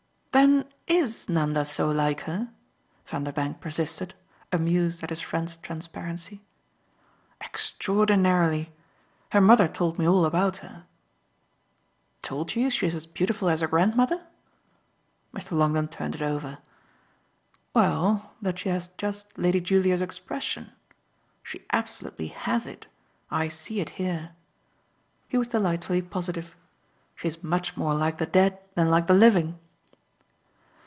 "Then IS Nanda so like her?" Vanderbank persisted, amused at his friend's transparency. "Extraordinarily. Her mother told me all about her." "Told you she's as beautiful as her grandmother?" Mr. Longdon turned it over. "Well, that she has just Lady Julia's expression. She absolutely HAS it I see it here." He was delightfully positive. "She's much more like the dead than like the living."